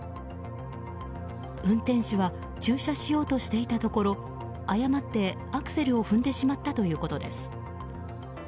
運転手は駐車しようとしていたところ誤ってアクセルを踏んでしまったということです。